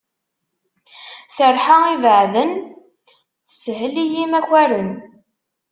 Ṭeṛḥa ibeɛden, teshel i yimakaren.